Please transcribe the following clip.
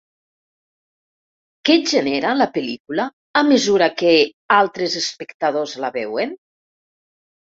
Què genera la pel·lícula a mesura que altres espectadors la veuen?